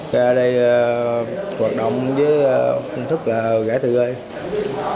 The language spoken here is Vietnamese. ra đây hoạt động với phương thức là gãi tự gây gãi chạy facebook